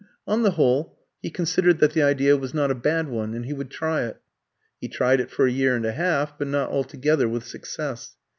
On the whole, he considered that the idea was not a bad one, and he would try it. He tried it for a year and a half, but not altogether with success.